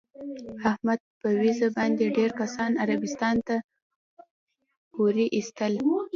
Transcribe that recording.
احمد په ویزه باندې ډېر کسان عربستان ته پورې ایستل.